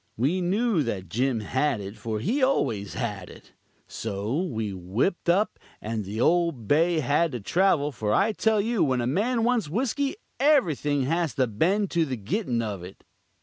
We knew that Jim had it, for he always had it. So we whipped up, and the old Bay had to travel, for I tell you when a man wants whiskey everything has to bend to the gittin' of it.